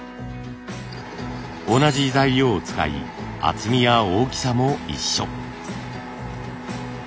同じ材料を使い厚みや大きさも一緒。